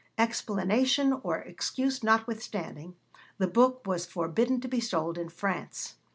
Explanation or excuse notwithstanding, the book was forbidden to be sold in France.